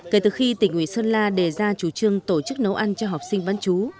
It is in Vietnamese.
kể từ khi tỉnh ủy sơn la đề ra chủ trương tổ chức nấu ăn cho học sinh bán chú